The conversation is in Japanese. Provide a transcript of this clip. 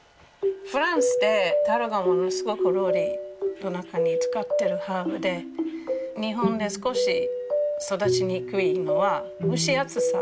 フランスでタラゴンはものすごく料理の中に使ってるハーブで日本で少し育ちにくいのは蒸し暑さ